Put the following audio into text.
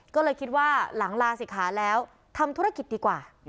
ก็เลยคิดว่าหลังลาศิกขาแล้วทำธุรกิจดีกว่า